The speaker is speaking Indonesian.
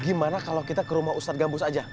gimana kalau kita ke rumah ustadz gambus aja